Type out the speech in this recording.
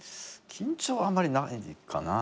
緊張はあまりないかな。